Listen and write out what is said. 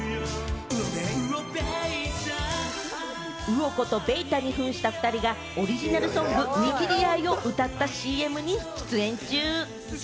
魚子と、べい太に扮した２人が、オリジナルソング『握り愛』を歌ったＣＭに出演中。